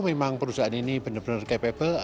memang perusahaan ini benar benar capable